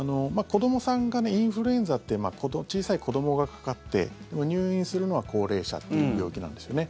インフルエンザって小さい子どもがかかって入院するのは高齢者という病気なんですよね。